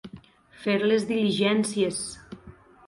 Fer les diligències.